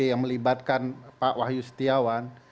yang melibatkan pak wahyu setiawan